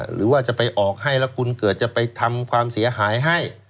หรือว่าจะไปออกให้แล้วคุณเกิดจะไปทำความเสียหายให้